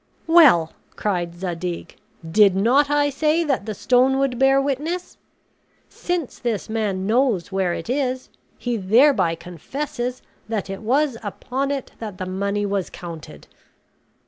"Well," cried Zadig, "did not I say that the stone would bear witness? Since this man knows where it is, he thereby confesses that it was upon it that the money was counted."